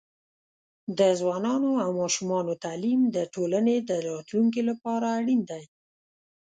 د ځوانانو او ماشومانو تعليم د ټولنې د راتلونکي لپاره اړین دی.